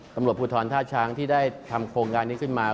ตำรวจภูทรท่าช้างที่ได้ทำโครงการนี้ขึ้นมา